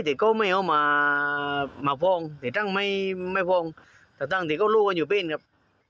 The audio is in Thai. แต่ก็ไม่เอามามาฟองแต่ตั้งไม่ไม่ฟองแต่ตั้งที่ก็รู้ว่าอยู่เป็นครับ